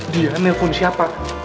dia telepon siapa